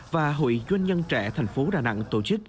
và hội doanh nhân trẻ thành phố đà nẵng tổ chức